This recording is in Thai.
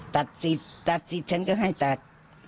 ตัดสิทธิ์ตัดสิทธิ์ฉันก็ให้ตัด